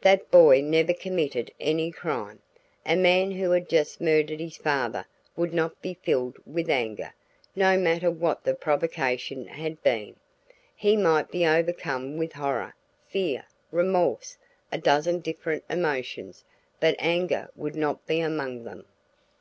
That boy never committed any crime. A man who had just murdered his father would not be filled with anger, no matter what the provocation had been. He might be overcome with horror, fear, remorse a dozen different emotions, but anger would not be among them.